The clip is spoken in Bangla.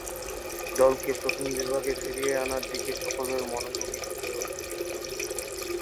দলকে প্রথম বিভাগে ফিরিয়ে আনার দিকে সকলের মনোযোগী হতে হবে।